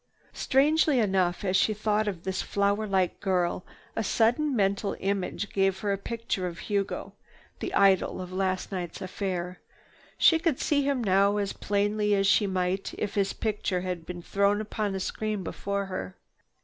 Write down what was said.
Strangely enough as she thought of this flower like girl, a sudden mental image gave her a picture of Hugo, the idol of last night's affair. She could see him now as plainly as she might if his picture had been thrown upon a screen before her.